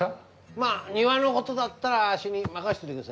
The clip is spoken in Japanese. まあ庭のことだったらあっしに任せといてください。